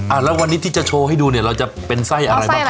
แล้ววันนี้ที่จะโชว์ให้ดูเนี่ยเราจะเป็นไส้อะไรบ้างคะ